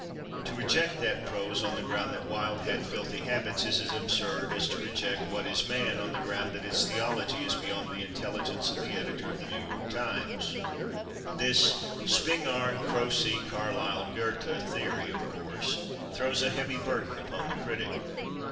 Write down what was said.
To reject that prose on the ground that Wilde had filthy habits is as absurd as to reject "What Is Man?" on the ground that its theology is beyond the intelligence of the editor of the New York Times. This Spingarn Croce Carlyle Goethe theory, of course, throws a heavy burden upon the critic.